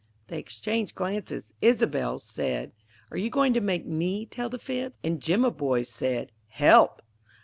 They exchanged glances. Isobel's said, "Are you going to make me tell the fib?" and Jimaboy's said, "Help!"